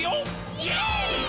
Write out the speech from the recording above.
イエーイ！！